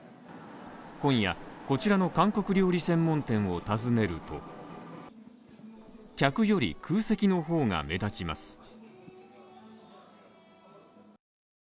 今夜、こちらの韓国料理専門店を訪ねると客より空席の方が目立ちます。